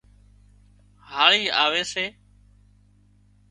هاۯِي آوي سي